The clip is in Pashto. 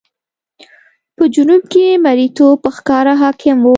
په جنوب کې مریتوب په ښکاره حاکم و.